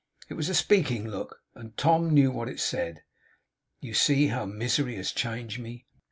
It was a speaking look, and Tom knew what it said. 'You see how misery has changed me.